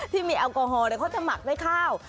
ที่มีแอลกอฮอลเขาจะหมักด้วยข้าว